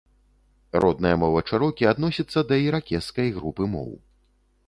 Родная мова чэрокі адносіцца да іракезскай групы моў.